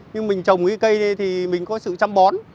nhưng mình trồng cây này thì mình có sự chăm bón